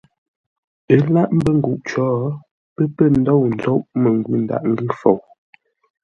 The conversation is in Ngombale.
Ə́ láʼ mbə́ nguʼ cǒ, pə́ pə̂ ndôu ńzóʼ məngwʉ̂ ńdaghʼ ńgʉ́ fou.